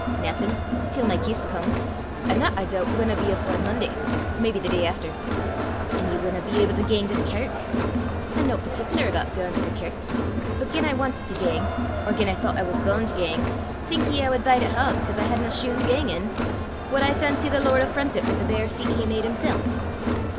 "Naething till my kist comes; an' that, I doobt, winna be afore Monday, or maybe the day efter." "An' ye winna be able to gang to the kirk!" "I'm no partic'lar aboot gaein' to the kirk; but gien I wantit to gang, or gien I thoucht I was b'un' to gang, think ye I wad bide at hame 'cause I hadna shune to gang in! Wad I fancy the Lord affrontit wi' the bare feet he made himsel'!"